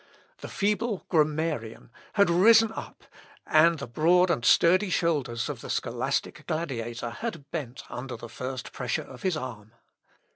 The feeble grammarian had risen up, and the broad and sturdy shoulders of the scholastic gladiator had bent under the first pressure of his arm.